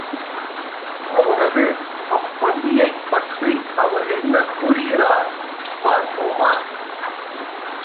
அவரது அப்பள்ளியைப் பற்றி அவர் என்ன கூறுகிறார் பார்ப்போமா?